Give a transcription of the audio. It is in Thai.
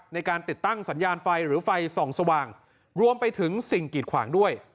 ในการติดตั้งสัญญาณไฟหรือไฟส่องสว่างรวมไปถึงสิ่งกีดขวางด้วย